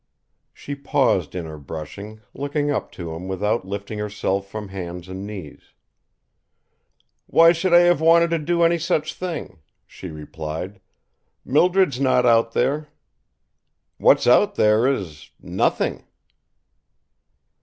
She paused in her brushing, looking up to him without lifting herself from hands and knees. "Why should I have wanted to do any such thing?" she replied. "Mildred's not out there. What's out there is nothing."